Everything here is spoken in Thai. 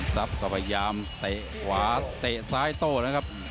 ก็พยายามเตะขวาเตะซ้ายโต้นะครับ